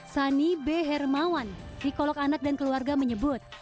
sani b hermawan psikolog anak dan keluarga menyebut